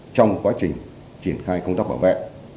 trong quá trình triển khai công tác bảo vệ